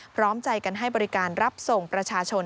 พร้อมใจกันให้บริการรับส่งประชาชน